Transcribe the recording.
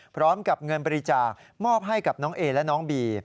พร้อมกับเงินบริจาคมอบให้กับน้องเอและน้องบี